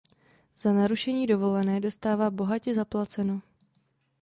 Za narušení dovolené dostává bohatě zaplaceno.